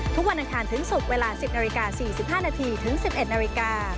วันอังคารถึงศุกร์เวลา๑๐นาฬิกา๔๕นาทีถึง๑๑นาฬิกา